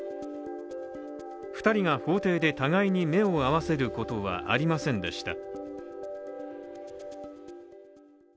２人が法廷で互いに目を合わせることはありませんでした。